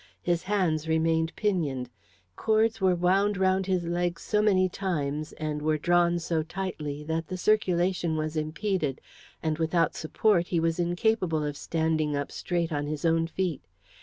His hands remained pinioned. Cords were wound round his legs so many times, and were drawn so tightly, that the circulation was impeded, and without support he was incapable of standing up straight on his own feet.